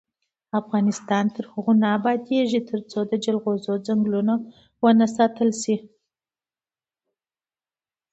افغانستان تر هغو نه ابادیږي، ترڅو د جلغوزو ځنګلونه وساتل نشي.